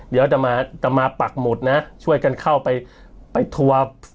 เดี๋ยวจะมาปักหมุดนะช่วยกันเข้าไปไปทัวร์